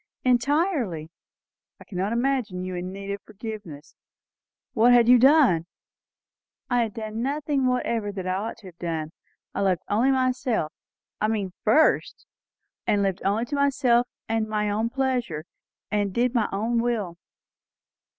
"Entirely." "I cannot imagine you in need of forgiveness. What had you done?" "I had done nothing whatever that I ought to have done. I loved only myself, I mean first, and lived only to myself and my own pleasure, and did my own will."